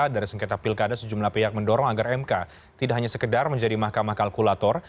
dari sengketa pilkada sejumlah pihak mendorong agar mk tidak hanya sekedar menjadi mahkamah kalkulator